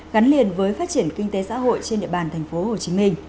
gắn liền với phát triển kinh tế xã hội trên địa bàn tp hcm